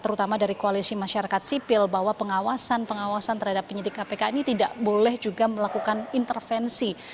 terutama dari koalisi masyarakat sipil bahwa pengawasan pengawasan terhadap penyidik kpk ini tidak boleh juga melakukan intervensi